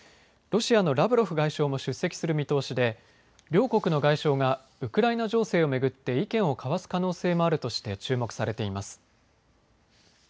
ロシアのラブロフ外相も出席する見通しで両国の外相がウクライナ情勢を巡って意見を交わす可能性もあるとして注目されています。